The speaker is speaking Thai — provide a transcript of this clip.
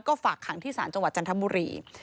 ก็ฝากขังที่ศาลจังหวัดจันทบุรี